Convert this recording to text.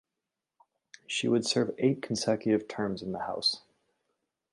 She would serve eight consecutive terms in the House.